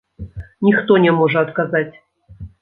Ніхто не можа адказаць.